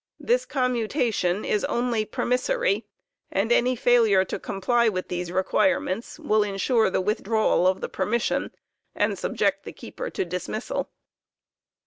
This commutation is only permissory, and any failure to comply with v " these requirements will insure the withdrawal of the permission; and subject the keeper to dismissal.